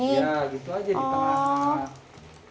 iya gitu aja di tengah tengah